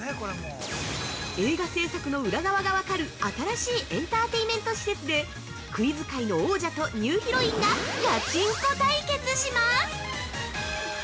映画制作の裏側が分かる新しいエンターテイメント施設でクイズ界の王者とニューヒロインが、ガチンコ対決します！